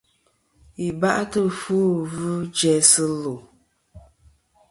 Yi ba'tɨ ɨfwo ghɨ jæsɨ lu.